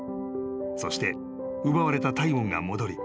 そして奪われた体温が戻り］